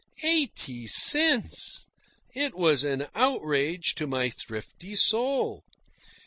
EIGHTY CENTS! It was an outrage to my thrifty soul.